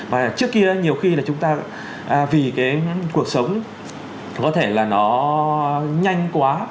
và trước kia nhiều khi là chúng ta vì cái cuộc sống có thể là nó nhanh quá